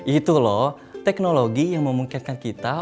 itu loh teknologi yang memungkinkan kita